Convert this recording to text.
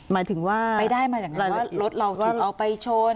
ไปได้มาจากไหนว่ารถเราถูกเอาไปชน